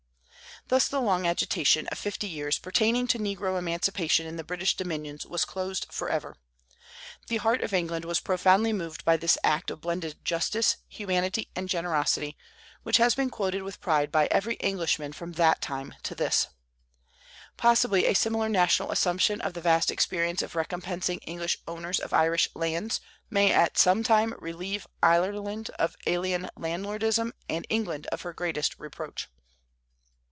Thus the long agitation of fifty years pertaining to negro emancipation in the British dominions was closed forever. The heart of England was profoundly moved by this act of blended justice, humanity, and generosity, which has been quoted with pride by every Englishman from that time to this. Possibly a similar national assumption of the vast expense of recompensing English owners of Irish lands may at some time relieve Ireland of alien landlordism and England of her greatest reproach.